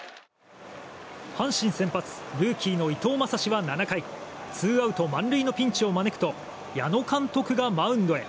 阪神、先発ルーキーの伊藤将司は７回ツーアウト満塁のピンチを招くと矢野監督がマウンドへ。